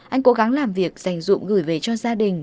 anh cố gắng làm việc dành dụng gửi về cho gia đình